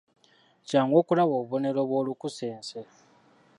Kyangu okulaba obubonero bw'olukusense.